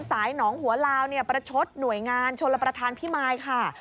สายหนองหัวลาวเนี่ยประชดหน่วยงานชลประธานพิมายค่ะ